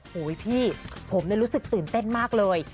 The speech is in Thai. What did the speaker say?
โหยพี่ผมรู้สึกตื่นเต้นมากเลย